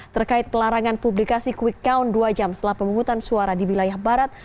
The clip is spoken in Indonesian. terkait pelarangan publikasi quick count dua jam setelah pemungutan suara di wilayah barat